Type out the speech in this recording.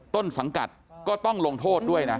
ต้นสังกัดก็ต้องลงโทษด้วยนะ